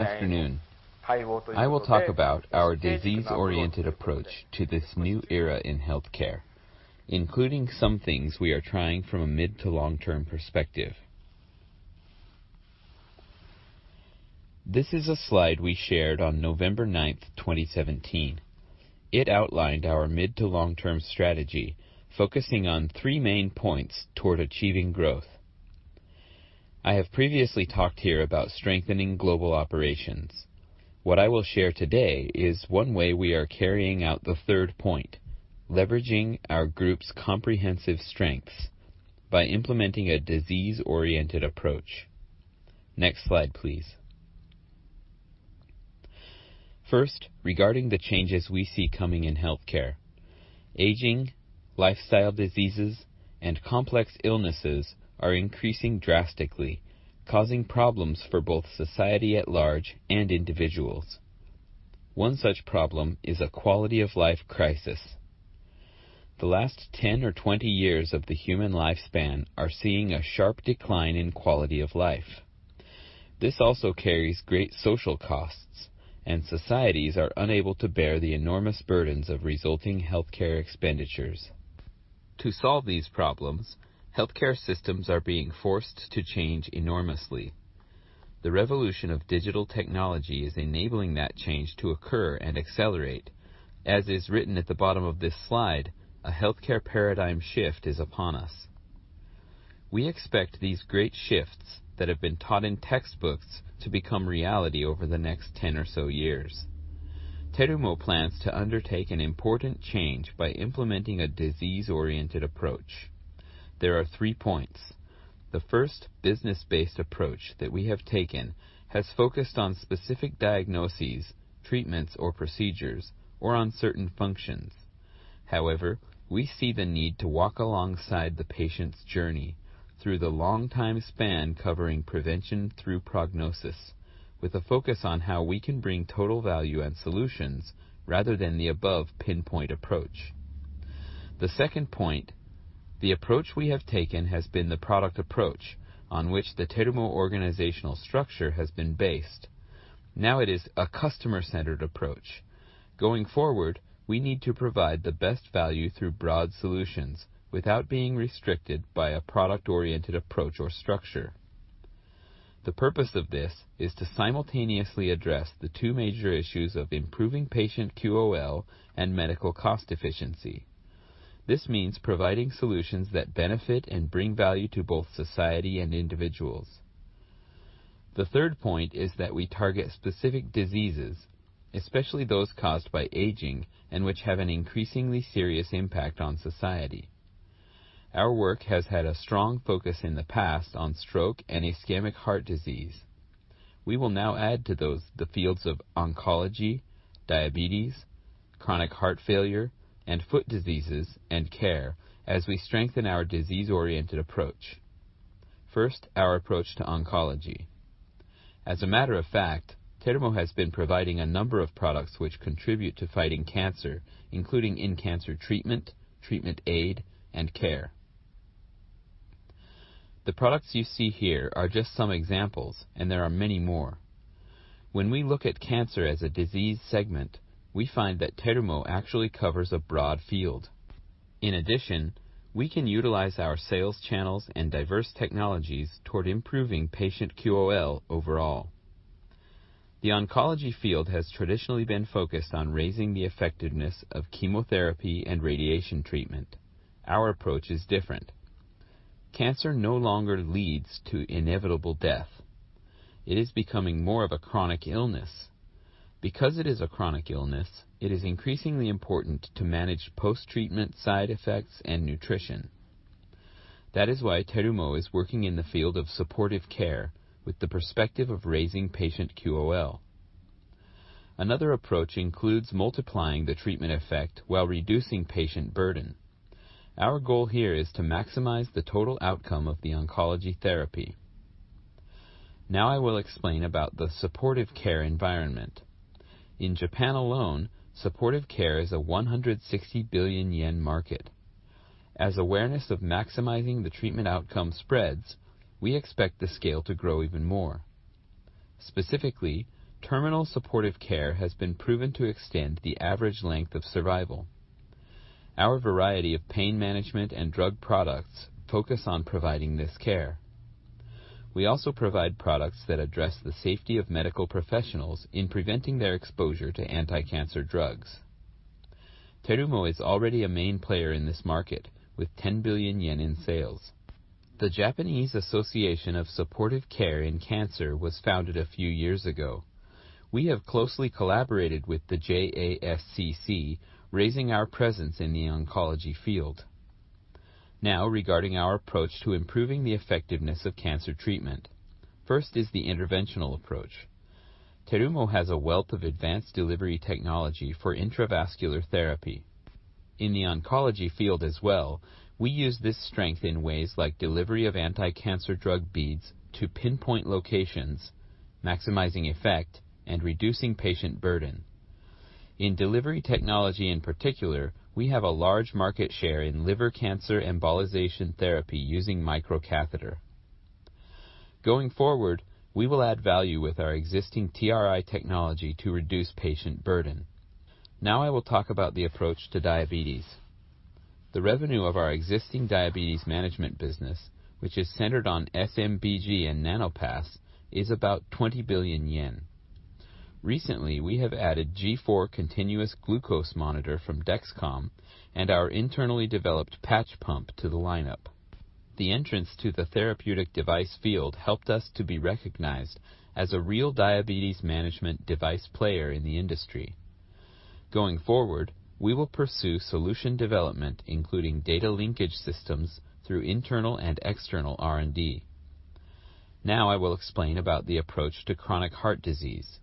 Afternoon. I will talk about our disease-oriented approach to this new era in healthcare, including some things we are trying from a mid- to long-term perspective. This is a slide we shared on November 9th, 2017. It outlined our mid- to long-term strategy, focusing on three main points toward achieving growth. I have previously talked here about strengthening global operations. What I will share today is one way we are carrying out the third point, leveraging our Group's comprehensive strengths by implementing a disease-oriented approach. Next slide, please. First, regarding the changes we see coming in healthcare. Aging, lifestyle diseases, and complex illnesses are increasing drastically, causing problems for both society at large and individuals. One such problem is a quality-of-life crisis. The last 10 or 20 years of the human lifespan are seeing a sharp decline in quality of life. This also carries great social costs. Societies are unable to bear the enormous burdens of resulting healthcare expenditures. To solve these problems, healthcare systems are being forced to change enormously. The revolution of digital technology is enabling that change to occur and accelerate. As is written at the bottom of this slide, a healthcare paradigm shift is upon us. We expect these great shifts that have been taught in textbooks to become reality over the next 10 or so years. Terumo plans to undertake an important change by implementing a disease-oriented approach. There are three points. The first business-based approach that we have taken has focused on specific diagnoses, treatments, or procedures, or on certain functions. We see the need to walk alongside the patient's journey through the long time span covering prevention through prognosis, with a focus on how we can bring total value and solutions rather than the above pinpoint approach. The second point, the approach we have taken has been the product approach on which the Terumo organizational structure has been based. Now it is a customer-centered approach. Going forward, we need to provide the best value through broad solutions without being restricted by a product-oriented approach or structure. The purpose of this is to simultaneously address the two major issues of improving patient QOL and medical cost efficiency. This means providing solutions that benefit and bring value to both society and individuals. The third point is that we target specific diseases, especially those caused by aging and which have an increasingly serious impact on society. Our work has had a strong focus in the past on stroke and ischemic heart disease. We will now add to those the fields of oncology, diabetes, chronic heart failure, and foot diseases and care as we strengthen our disease-oriented approach. First, our approach to oncology. As a matter of fact, Terumo has been providing a number of products which contribute to fighting cancer, including in cancer treatment aid, and care. The products you see here are just some examples, and there are many more. When we look at cancer as a disease segment, we find that Terumo actually covers a broad field. In addition, we can utilize our sales channels and diverse technologies toward improving patient QOL overall. The oncology field has traditionally been focused on raising the effectiveness of chemotherapy and radiation treatment. Our approach is different. Cancer no longer leads to inevitable death. It is becoming more of a chronic illness. Because it is a chronic illness, it is increasingly important to manage post-treatment side effects and nutrition. That is why Terumo is working in the field of supportive care with the perspective of raising patient QOL. Another approach includes multiplying the treatment effect while reducing patient burden. Our goal here is to maximize the total outcome of the oncology therapy. Now I will explain about the supportive care environment. In Japan alone, supportive care is a 160 billion yen market. As awareness of maximizing the treatment outcome spreads, we expect the scale to grow even more. Specifically, terminal supportive care has been proven to extend the average length of survival. Our variety of pain management and drug products focus on providing this care. We also provide products that address the safety of medical professionals in preventing their exposure to anticancer drugs. Terumo is already a main player in this market with 10 billion yen in sales. The Japanese Association of Supportive Care in Cancer was founded a few years ago. We have closely collaborated with the JASCC, raising our presence in the oncology field. Now, regarding our approach to improving the effectiveness of cancer treatment. First is the interventional approach. Terumo has a wealth of advanced delivery technology for intravascular therapy. In the oncology field as well, we use this strength in ways like delivery of anticancer drug beads to pinpoint locations, maximizing effect, and reducing patient burden. In delivery technology in particular, we have a large market share in liver cancer embolization therapy using microcatheter. Going forward, we will add value with our existing TRI technology to reduce patient burden. Now I will talk about the approach to diabetes. The revenue of our existing diabetes management business, which is centered on SMBG and Nanopass, is about 20 billion yen. Recently, we have added G4 Continuous Glucose Monitor from Dexcom and our internally developed patch pump to the lineup. The entrance to the therapeutic device field helped us to be recognized as a real diabetes management device player in the industry. Going forward, we will pursue solution development, including data linkage systems through internal and external R&D. Now I will explain about the approach to chronic heart disease.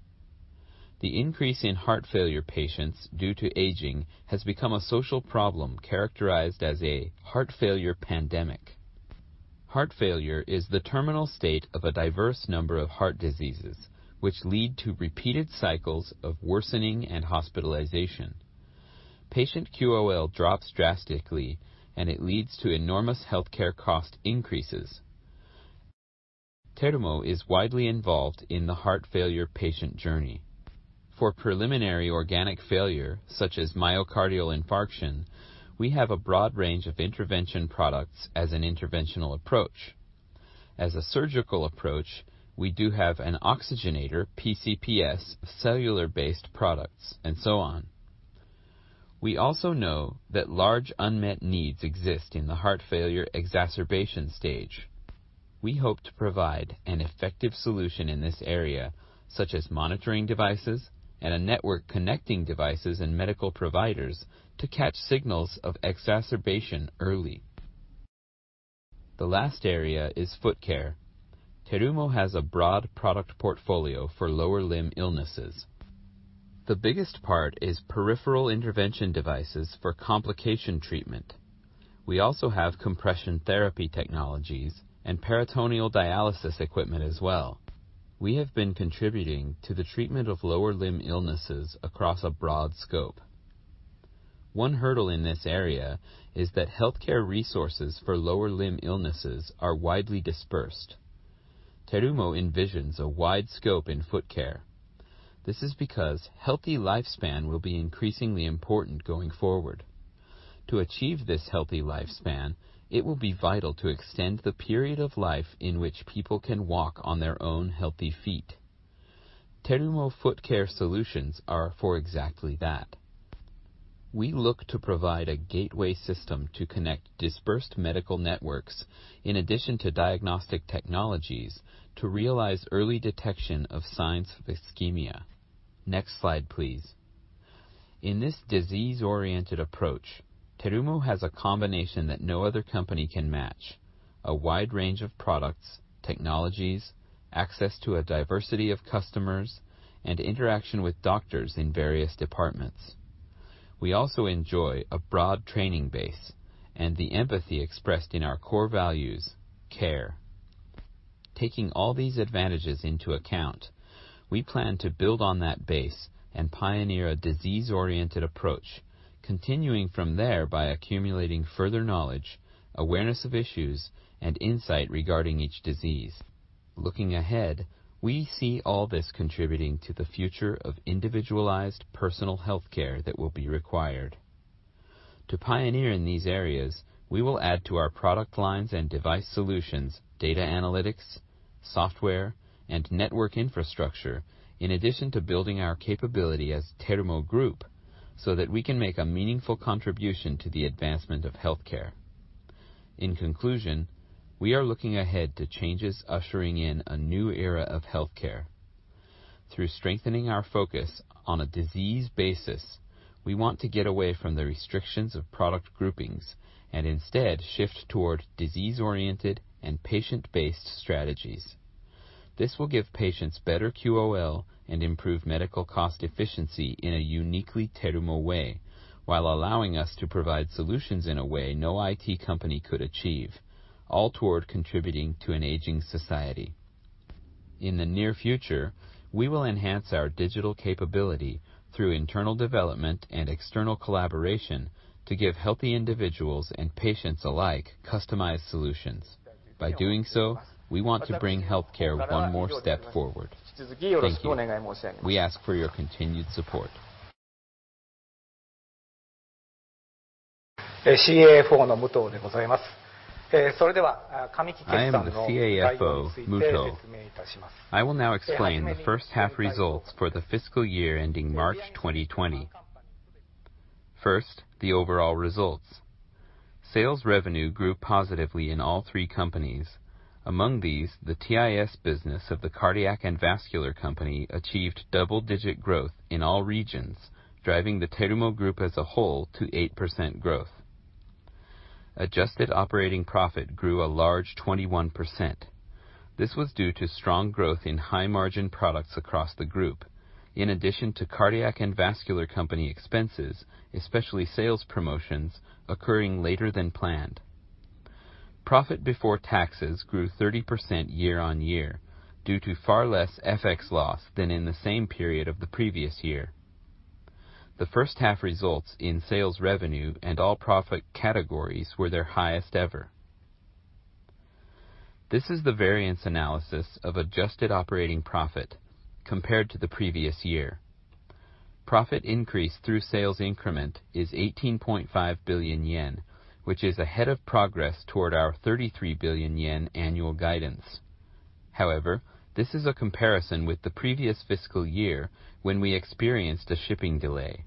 The increase in heart failure patients due to aging has become a social problem characterized as a heart failure pandemic. Heart failure is the terminal state of a diverse number of heart diseases, which lead to repeated cycles of worsening and hospitalization. Patient QOL drops drastically, and it leads to enormous healthcare cost increases. Terumo is widely involved in the heart failure patient journey. For preliminary organic failure, such as myocardial infarction, we have a broad range of intervention products as an interventional approach. As a surgical approach, we do have an oxygenator PCPS, cellular-based products, and so on. We also know that large unmet needs exist in the heart failure exacerbation stage. We hope to provide an effective solution in this area, such as monitoring devices and a network connecting devices and medical providers to catch signals of exacerbation early. The last area is foot care. Terumo has a broad product portfolio for lower limb illnesses. The biggest part is peripheral intervention devices for complication treatment. We also have compression therapy technologies and peritoneal dialysis equipment as well. We have been contributing to the treatment of lower limb illnesses across a broad scope. One hurdle in this area is that healthcare resources for lower limb illnesses are widely dispersed. Terumo envisions a wide scope in foot care. This is because healthy lifespan will be increasingly important going forward. To achieve this healthy lifespan, it will be vital to extend the period of life in which people can walk on their own healthy feet. Terumo Foot Care solutions are for exactly that. We look to provide a gateway system to connect dispersed medical networks in addition to diagnostic technologies, to realize early detection of signs of ischemia. Next slide, please. In this disease-oriented approach, Terumo has a combination that no other company can match. A wide range of products, technologies, access to a diversity of customers, and interaction with doctors in various departments. We also enjoy a broad training base and the empathy expressed in our core values, care. Taking all these advantages into account, we plan to build on that base and pioneer a disease-oriented approach, continuing from there by accumulating further knowledge, awareness of issues, and insight regarding each disease. Looking ahead, we see all this contributing to the future of individualized personal healthcare that will be required. To pioneer in these areas, we will add to our product lines and device solutions data analytics, software, and network infrastructure, in addition to building our capability as Terumo Group, so that we can make a meaningful contribution to the advancement of healthcare. In conclusion, we are looking ahead to changes ushering in a new era of healthcare. Through strengthening our focus on a disease basis, we want to get away from the restrictions of product groupings and instead shift toward disease-oriented and patient-based strategies. This will give patients better QOL and improve medical cost efficiency in a uniquely Terumo way, while allowing us to provide solutions in a way no IT company could achieve, all toward contributing to an aging society. In the near future, we will enhance our digital capability through internal development and external collaboration to give healthy individuals and patients alike customized solutions. By doing so, we want to bring healthcare one more step forward. Thank you. We ask for your continued support. I am the CFO, Mutoh. I will now explain the first half results for the fiscal year ending March 2020. First, the overall results. Sales revenue grew positively in all three companies. Among these, the TIS business of the Cardiac and Vascular Company achieved double-digit growth in all regions, driving the Terumo Group as a whole to 8% growth. Adjusted operating profit grew a large 21%. This was due to strong growth in high-margin products across the group. In addition to Cardiac and Vascular Company expenses, especially sales promotions occurring later than planned. Profit before taxes grew 30% year-on-year due to far less FX loss than in the same period of the previous year. The first half results in sales revenue and all profit categories were their highest ever. This is the variance analysis of adjusted operating profit compared to the previous year. Profit increase through sales increment is 18.5 billion yen, which is ahead of progress toward our 33 billion yen annual guidance. This is a comparison with the previous fiscal year when we experienced a shipping delay.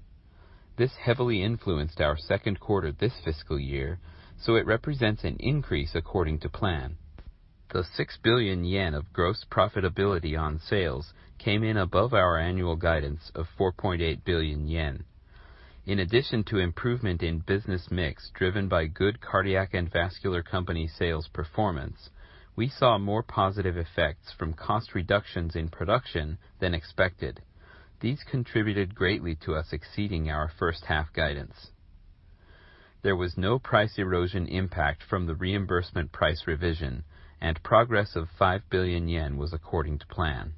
This heavily influenced our second quarter this fiscal year, it represents an increase according to plan. The 6 billion yen of gross profitability on sales came in above our annual guidance of 4.8 billion yen. In addition to improvement in business mix driven by good Cardiac and Vascular Company sales performance, we saw more positive effects from cost reductions in production than expected. These contributed greatly to us exceeding our first half guidance. There was no price erosion impact from the reimbursement price revision, and progress of 5 billion yen was according to plan.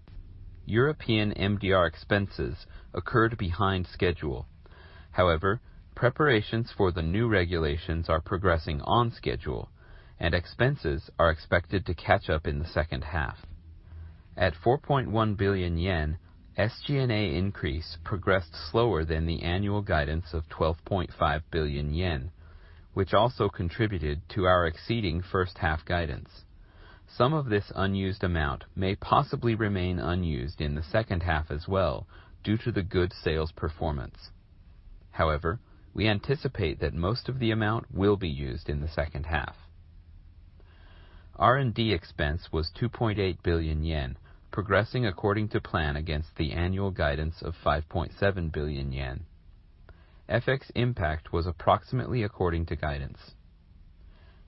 European MDR expenses occurred behind schedule. Preparations for the new regulations are progressing on schedule, and expenses are expected to catch up in the second half. At 4.1 billion yen, SG&A increase progressed slower than the annual guidance of 12.5 billion yen, which also contributed to our exceeding first half guidance. Some of this unused amount may possibly remain unused in the second half as well due to the good sales performance. We anticipate that most of the amount will be used in the second half. R&D expense was 2.8 billion yen, progressing according to plan against the annual guidance of 5.7 billion yen. FX impact was approximately according to guidance.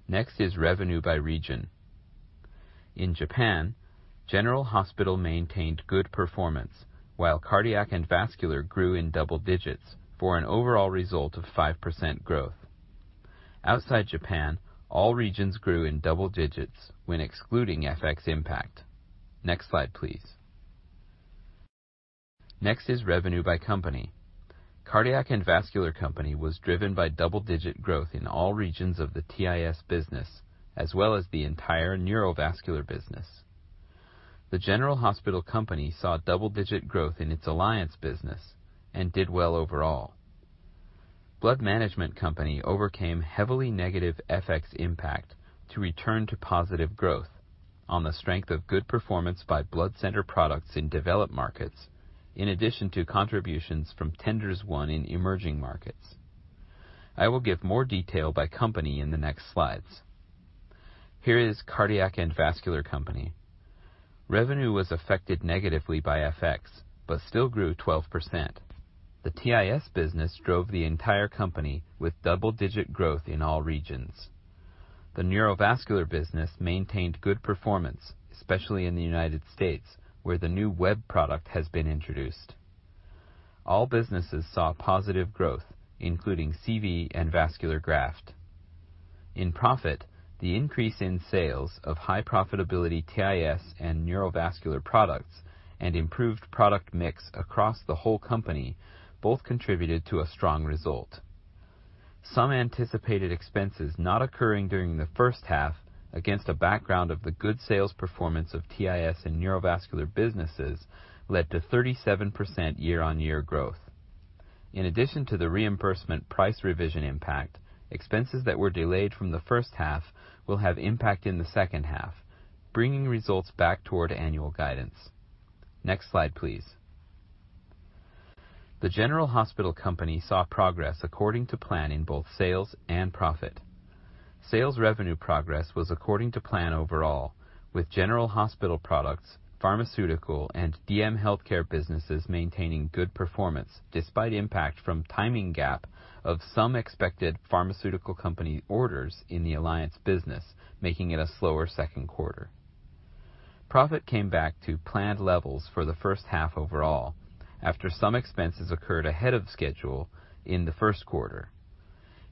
Next is revenue by region. In Japan, General Hospital Company maintained good performance, while Cardiac and Vascular Company grew in double digits for an overall result of 5% growth. Outside Japan, all regions grew in double digits when excluding FX impact. Next slide, please. Next is revenue by company. Cardiac and Vascular Company was driven by double-digit growth in all regions of the TIS business, as well as the entire neurovascular business. The General Hospital Company saw double-digit growth in its alliance business and did well overall. Blood Management Company overcame heavily negative FX impact to return to positive growth on the strength of good performance by blood center products in developed markets, in addition to contributions from tenders won in emerging markets. I will give more detail by company in the next slides. Here is Cardiac and Vascular Company. Revenue was affected negatively by FX but still grew 12%. The TIS business drove the entire company with double-digit growth in all regions. The neurovascular business maintained good performance, especially in the U.S., where the new WEB product has been introduced. All businesses saw positive growth, including CV and vascular graft. In profit, the increase in sales of high profitability TIS and neurovascular products and improved product mix across the whole company both contributed to a strong result. Some anticipated expenses not occurring during the first half against a background of the good sales performance of TIS and neurovascular businesses led to 37% year-on-year growth. In addition to the reimbursement price revision impact, expenses that were delayed from the first half will have impact in the second half, bringing results back toward annual guidance. Next slide, please. The General Hospital Company saw progress according to plan in both sales and profit. Sales revenue progress was according to plan overall with General Hospital Products, Pharmaceutical, and DM Healthcare businesses maintaining good performance despite impact from timing gap of some expected pharmaceutical company orders in the alliance business making it a slower second quarter. Profit came back to planned levels for the first half overall after some expenses occurred ahead of schedule in the first quarter.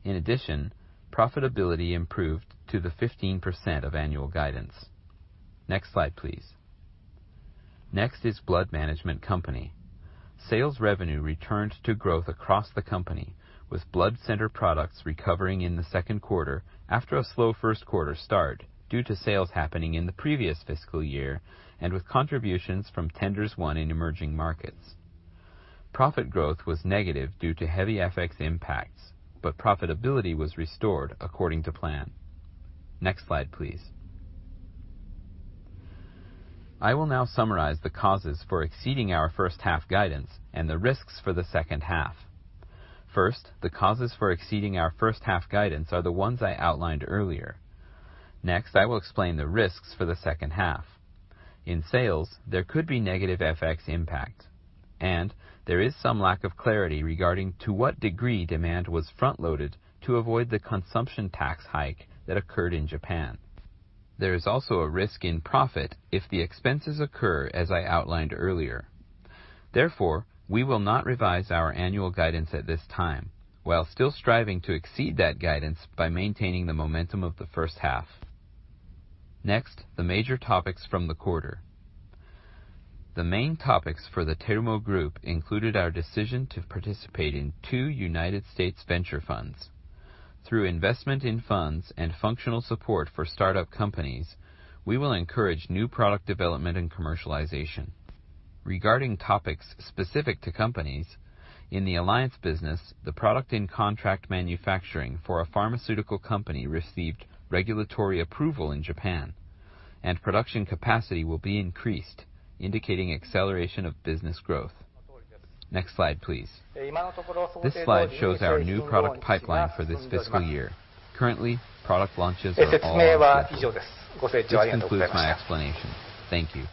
In addition, profitability improved to the 15% of annual guidance. Next slide, please. Next is Blood Management Company. Sales revenue returned to growth across the company with blood center products recovering in the second quarter after a slow first quarter start due to sales happening in the previous fiscal year and with contributions from tenders won in emerging markets. Profit growth was negative due to heavy FX impacts, but profitability was restored according to plan. Next slide, please. I will now summarize the causes for exceeding our first half guidance and the risks for the second half. The causes for exceeding our first half guidance are the ones I outlined earlier. I will explain the risks for the second half. In sales, there could be negative FX impact, and there is some lack of clarity regarding to what degree demand was front-loaded to avoid the consumption tax hike that occurred in Japan. There is also a risk in profit if the expenses occur as I outlined earlier. We will not revise our annual guidance at this time while still striving to exceed that guidance by maintaining the momentum of the first half. The major topics from the quarter. The main topics for the Terumo Group included our decision to participate in 2 U.S. venture funds. Through investment in funds and functional support for startup companies, we will encourage new product development and commercialization. Regarding topics specific to companies, in the alliance business, the product and contract manufacturing for a pharmaceutical company received regulatory approval in Japan and production capacity will be increased, indicating acceleration of business growth. Next slide, please. This slide shows our new product pipeline for this fiscal year. Currently, product launches are all on schedule. This concludes my explanation. Thank you.